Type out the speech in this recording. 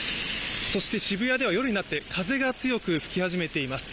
そして渋谷では夜になって風が強く吹き始めています。